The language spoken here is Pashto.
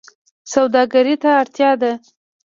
سوداګرۍ ته اړتیا ده